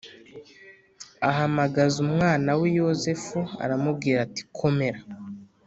ahamagaza umwana we Yosefu aramubwira ati komera